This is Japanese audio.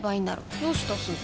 どうしたすず？